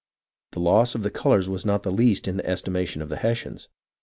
The loss of the colours was not the least in the estima tion of the Hessians.